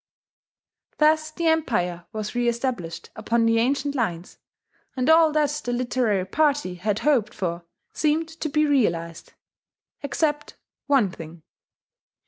Thus the Empire was reestablished upon the ancient lines; and all that the literary party had hoped for seemed to be realized except one thing....